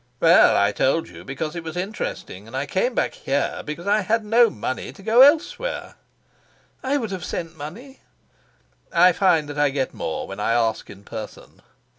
"Well, I told you because it was interesting, and I came back here because I had no money to go elsewhere." "I would have sent money." "I find that I get more when I ask in person.